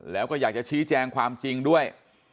แล้วก็อยากจะชี้แจงความจริงด้วย